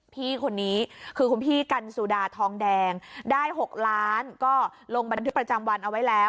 พี่คนนี้คือคุณพี่กันสุดาทองแดงได้๖ล้านก็ลงบันทึกประจำวันเอาไว้แล้ว